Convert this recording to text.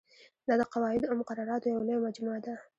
دا د قواعدو او مقرراتو یوه لویه مجموعه ده.